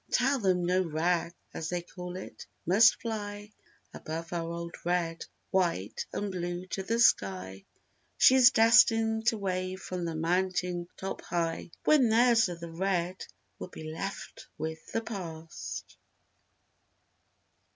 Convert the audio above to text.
Tell them no "rag" (as they call it) must fly Above our old Red, White and Blue to the sky— She's destined to wave from the mountain top high When theirs of the "Red" will be left with the past.